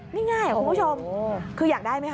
นี่ง่ายคุณผู้ชมคืออยากได้ไหมคะ